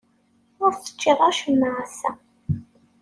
Ur teččiḍ acemma ass-a.